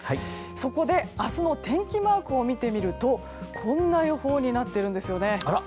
そこで明日の天気マークを見てみるとこんな予報になっているんですよね。